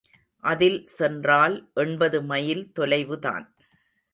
அதில் சென்றால் எண்பது மைல் தொலைவுதான்.